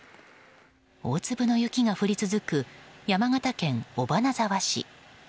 大粒の雪が降り続く山形県尾花沢市。